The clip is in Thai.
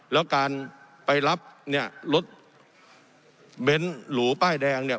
แล้วการไปรับเนี่ยรถเบนท์หรูป้ายแดงเนี่ย